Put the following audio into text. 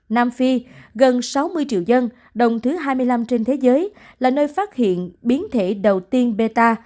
nam phi gần sáu mươi triệu dân đồng thứ hai mươi năm trên thế giới là nơi phát hiện biến thể đầu tiên beta